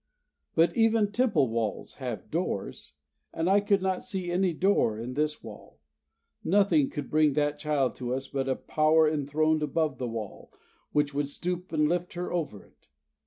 But even Temple walls have doors, and I could not see any door in this wall. Nothing could bring that child to us but a Power enthroned above the wall, which could stoop and lift her over it.